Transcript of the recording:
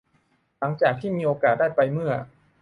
หลังจากที่มีโอกาสได้ไปเมื่อ